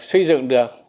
xây dựng được